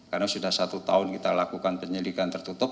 karena sudah satu tahun kita lakukan penyelidikan tertutup